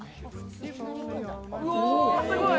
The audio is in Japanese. うわー、すごい。